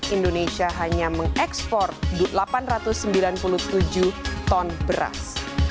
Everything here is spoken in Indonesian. indonesia hanya mengekspor delapan ratus sembilan puluh tujuh ton beras